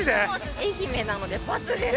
愛媛なのでバツです。